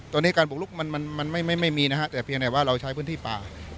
ตอนนี้การบุกลุกมันไม่มีนะฮะแต่เพียงแต่ว่าเราใช้พื้นที่ป่า